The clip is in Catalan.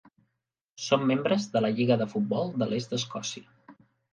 Són membres de la Lliga de Futbol de l'Est d'Escòcia.